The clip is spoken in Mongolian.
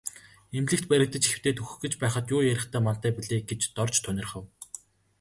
Эмнэлэгт баригдаж хэвтээд үхэх гэж байхад юу ярихтай мантай билээ гэж Дорж тунирхав.